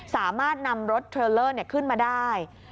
สามารถนำรถเทรลเลอร์ขึ้นมาได้